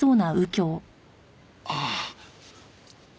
ああ。